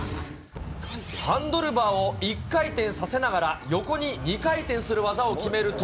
ハンドルバーを１回転させながら横に２回転する技を決めると。